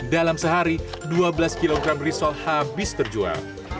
dalam sehari dua belas kg risol habis terjual